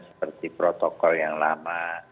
seperti protokol yang lama